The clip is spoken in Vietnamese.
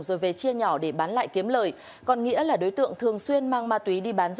rồi về chia nhỏ để bán lại kiếm lời còn nghĩa là đối tượng thường xuyên mang ma túy đi bán